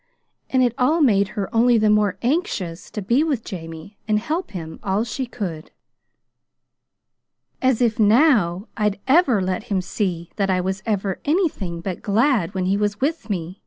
And it all made her only the more anxious to be with Jamie and help him all she could. "As if NOW I'd ever let him see that I was ever anything but glad when he was with me!"